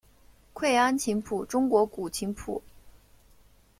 愧庵琴谱中国古琴谱。